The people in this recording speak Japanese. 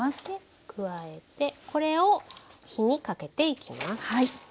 で加えてこれを火にかけていきます。